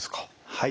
はい。